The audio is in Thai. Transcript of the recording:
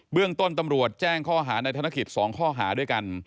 เรื่องต้นตำรวจแจ้งข้อหาในธนกิจ๒ข้อหาด้วยกัน